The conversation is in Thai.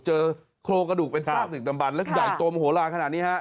เจอโครงกระดูกเป็นซากหนึ่งดำบันแล้วใหญ่โตมโหลานขนาดนี้ฮะ